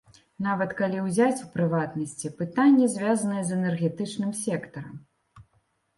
Нават калі ўзяць, у прыватнасці, пытанні, звязаныя з энергетычным сектарам.